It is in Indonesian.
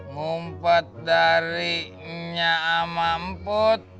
mumpet dari nyamamput